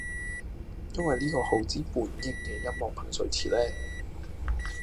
因為呢個耗資半億嘅音樂噴水池呢